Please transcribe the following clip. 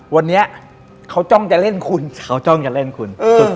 วันนี้เขาจ้องจะเล่นคุณเขาจ้องจะเล่นคุณ